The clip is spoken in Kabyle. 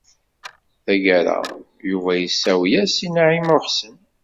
Tagara, Yuba yessawel-as i Naɛima u Ḥsen.